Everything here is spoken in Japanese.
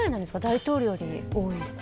大統領より多いって。